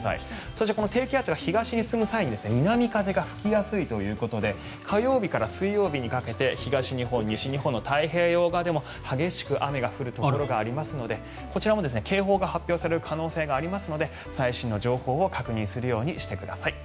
そしてこの低気圧が東に進む際に南風が吹きやすいということで火曜日から水曜日にかけて東日本、西日本の太平洋側でも、激しく雨が降るところがありますのでこちらも警報が発表される可能性がありますので最新の情報を確認するようにしてください。